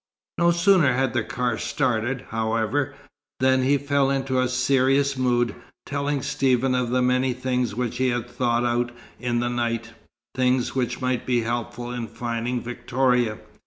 No sooner had the car started, however, than he fell into a serious mood, telling Stephen of many things which he had thought out in the night things which might be helpful in finding Victoria.